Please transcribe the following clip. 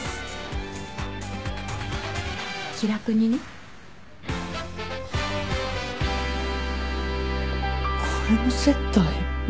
気楽にね。これも接待？